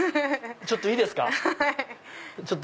ちょっといいですか？